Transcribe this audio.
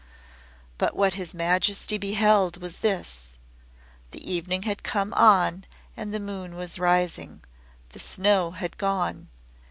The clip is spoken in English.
But what His Majesty beheld was this. The evening had come on and the moon was rising. The snow had gone.